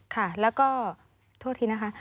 ค่ะแล้วก็โทษทีนะคะ